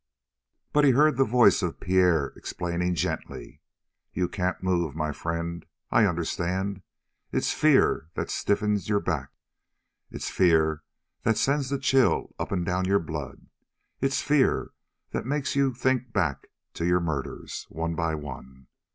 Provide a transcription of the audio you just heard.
But he heard the voice of Pierre explaining gently: "You can't move, my friend. I understand. It's fear that stiffened your back. It's fear that sends the chill up and down your blood. It's fear that makes you think back to your murders, one by one.